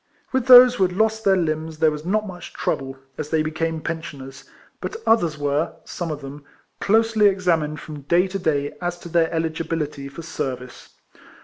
With those who had lost their limbs, there was not much trouble, as they became pensioners; but others were, some of them, closely ex amined from day to day as to their eligibility for service.